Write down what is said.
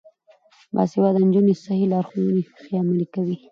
باسواده نجونې صحي لارښوونې ښې عملي کوي.